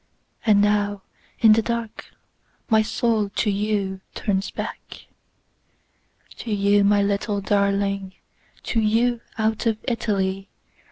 And now in the dark my soul to youTurns back. To you, my little darling, To you, out of Italy.